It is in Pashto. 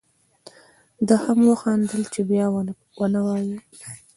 ده هم وخندل چې بیا و نه وایې.